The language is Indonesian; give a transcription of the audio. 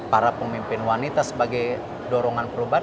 para pemimpin wanita sebagai dorongan perubahan